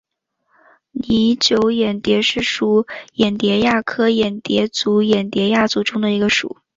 拟酒眼蝶属是眼蝶亚科眼蝶族眼蝶亚族中的一个属。